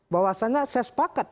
bahwasannya saya sepakat